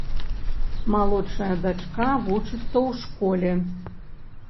Малодшая дачка вучыцца ў школе.